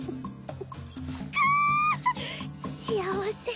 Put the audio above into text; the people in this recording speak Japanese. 幸せ。